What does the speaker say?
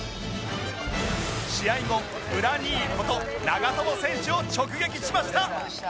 試合後ブラ兄こと長友選手を直撃しました